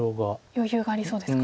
余裕がありそうですか。